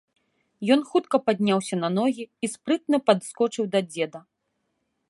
Ён хутка падняўся на ногі і спрытна падскочыў да дзеда.